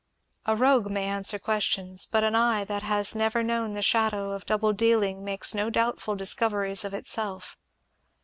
A rogue may answer questions, but an eye that has never known the shadow of double dealing makes no doubtful discoveries of itself.